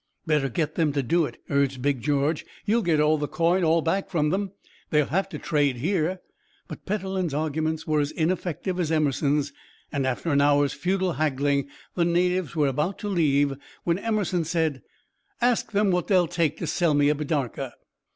"Better get them to do it," urged Big George. "You'll get the coin all back from them; they'll have to trade here." But Petellin's arguments were as ineffective as Emerson's, and after an hour's futile haggling the natives were about to leave when Emerson said: "Ask them what they'll take to sell me a bidarka."